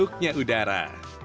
selamat menikmati sejuknya udara